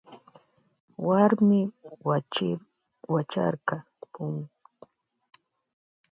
Wuarmi wicharka punkuta paypa wasima ama yaykuchun allkukuna.